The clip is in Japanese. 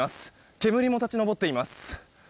煙も立ち上っています。